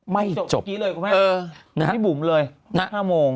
ไม่จบจบทีเลยครับพี่บุ๋มเลย๕โมง